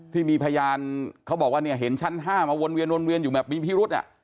ที่มีพยานเขาบอกว่าเนี่ยเห็นชั้น๕มาวนเวียนวนเวียนอยู่แบบมีพิรุษ